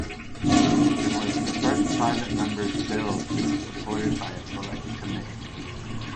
It was the first Private Member's Bill to be supported by a Select Committee.